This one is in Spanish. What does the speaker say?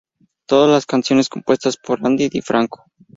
Todas las canciones compuestas por Ani DiFranco.